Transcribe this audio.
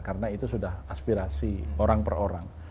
karena itu sudah aspirasi orang per orang